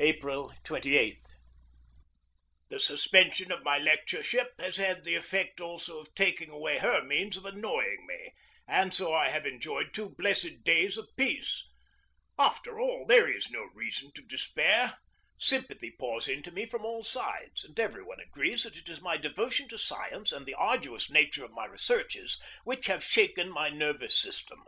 April 28. The suspension of my lectureship has had the effect also of taking away her means of annoying me, and so I have enjoyed two blessed days of peace. After all, there is no reason to despair. Sympathy pours in to me from all sides, and every one agrees that it is my devotion to science and the arduous nature of my researches which have shaken my nervous system.